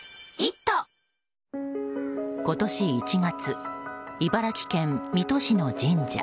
今年１月、茨城県水戸市の神社。